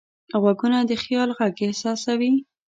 غوږونه د خیال غږ احساسوي